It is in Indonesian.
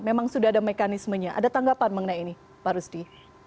memang sudah ada mekanismenya ada tanggapan mengenai ini pak rusdi